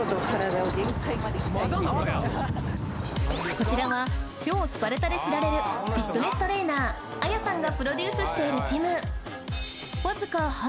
こちらは超スパルタで知られるフィットネストレーナーＡＹＡさんがプロデュースしているジム！